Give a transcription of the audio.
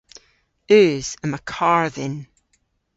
Eus. Yma karr dhyn.